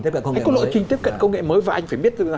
tiếp cận công nghệ mới và anh phải biết